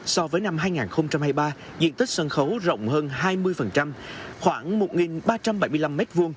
so với năm hai nghìn hai mươi ba diện tích sân khấu rộng hơn hai mươi khoảng một ba trăm bảy mươi năm m hai